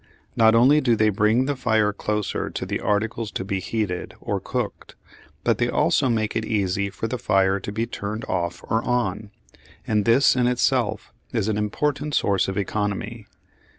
Not only do they bring the fire closer to the articles to be heated or cooked, but they also make it easy for the fire to be turned off or on, and this in itself is an important source of economy.